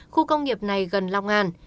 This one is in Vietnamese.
khu công nghiệp này gần long an